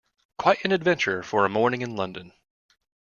Quite an adventure for a morning in London!